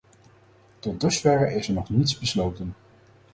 Tot dusverre is er nog niets besloten.